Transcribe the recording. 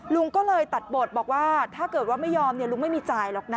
ลุงก็เลยตัดบทบอกว่าถ้าเกิดว่าไม่ยอมลุงไม่มีจ่ายหรอกนะ